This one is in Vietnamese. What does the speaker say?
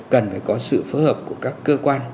cần phải có sự phối hợp của các cơ quan